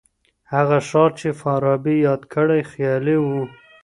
هغه ښار چي فارابي یاد کړی خیالي و.